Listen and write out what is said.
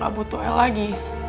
kamu butuh el lagi